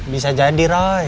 bisa jadi roy